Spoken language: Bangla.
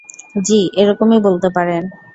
জ্বি, এরকমই বলতে পারেন।